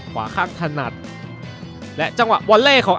ขวาข้างถนัดและจังหวะวอลเล่ของ